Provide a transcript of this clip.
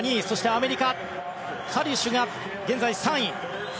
アメリカ、カリシュが現在３位。